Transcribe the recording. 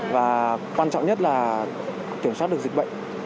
và quan trọng nhất là kiểm soát được dịch bệnh